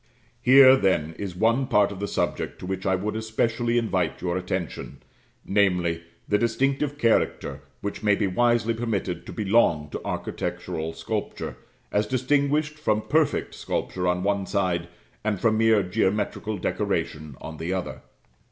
Here, then, is one part of the subject to which I would especially invite your attention, namely, the distinctive character which may be wisely permitted to belong to architectural sculpture, as distinguished from perfect sculpture on one side, and from mere geometrical decoration on the other.